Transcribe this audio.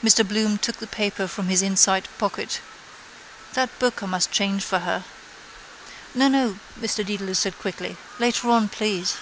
Mr Bloom took the paper from his inside pocket. That book I must change for her. —No, no, Mr Dedalus said quickly. Later on please.